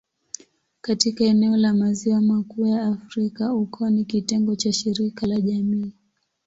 Katika eneo la Maziwa Makuu ya Afrika, ukoo ni kitengo cha shirika la kijamii.